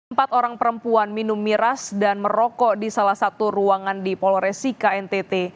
empat orang perempuan minum miras dan merokok di salah satu ruangan di polores sika ntt